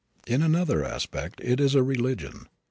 In another aspect it is a religion.